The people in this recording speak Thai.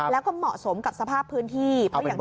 แล้วก็เหมาะสมกับสภาพพื้นที่